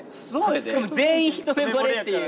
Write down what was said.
しかも全員一目ぼれっていう。